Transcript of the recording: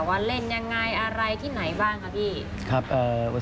ว่าเล่นยังไงอะไรที่ไหนบ้างคะพี่